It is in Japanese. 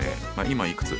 今いくつ？